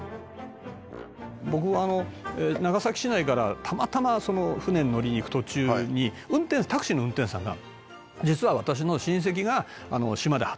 僕長崎市内からたまたま船に乗りに行く途中にタクシーの運転手さんが。